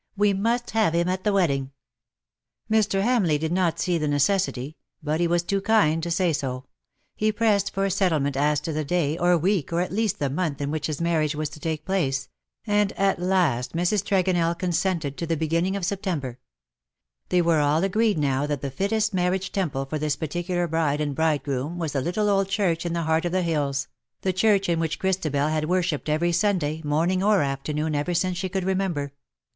We must have him at the wedding." Mr. Hamleigh did not see the necessity • but he was too kind to say so. He pressed for a settle ment as to the day — or week — or at least the month in which his marriage was to take place — and at last Mrs. Tregonell consented to the beginning of IN SOCIETY 193 September. They were all agreed now that the fittest marriage temple for this particular bride and bridegroom was the little old church in the heart of the hills — the church in which Christabel had worshipped every Sunday^ morning or afternoon, ever since she could remember.